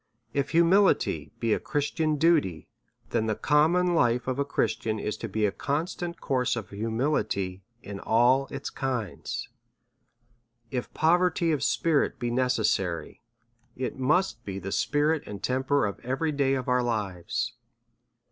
If humility be a Christian duty^ then the com mon life of a Christian is to be a constant course of humility in all its kinds. If poverty of spirit be ne cessary, it must be the spirit and temper of every day of our lives.